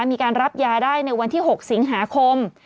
มีการรับยาได้ในวันที่๖สิงหาคม